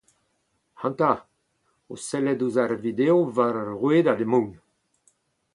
Ac’hanta, o sellet ouzh ur video war ar rouedad emaon.